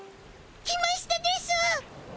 来ましたです。